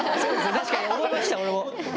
確かに思いました俺も。